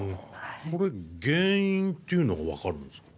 これ原因っていうのは分かるんですか？